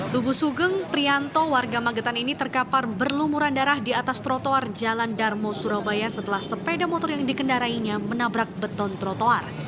tubuh sugeng prianto warga magetan ini terkapar berlumuran darah di atas trotoar jalan darmo surabaya setelah sepeda motor yang dikendarainya menabrak beton trotoar